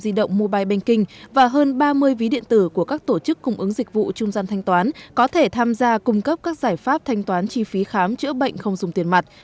dịch vụ mobile banking và hơn ba mươi ví điện tử của các tổ chức cung ứng dịch vụ trung gian thanh toán có thể tham gia cung cấp các giải pháp thanh toán chi phí khám chữa bệnh không dùng tiền mặt